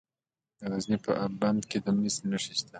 د غزني په اب بند کې د مسو نښې شته.